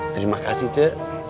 terima kasih ce